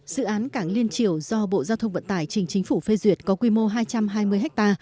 dự án cảng liên triều do bộ giao thông vận tải trình chính phủ phê duyệt có quy mô hai trăm hai mươi ha